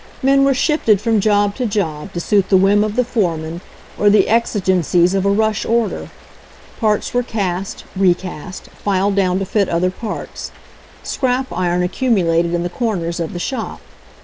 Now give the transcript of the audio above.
Men were shifted from job to job to suit the whim of the foreman or the exigencies of a rush order. Parts were cast, recast, filed down to fit other parts. Scrap iron accumulated in the cor ners of the shop.